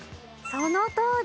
そのとおり。